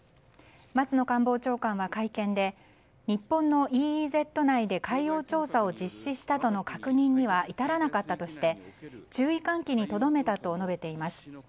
松野官房長官は会見で日本のＥＥＺ内で海洋調査を実施したとの確認には至らなかったとして注意喚起にとどめたと述べています。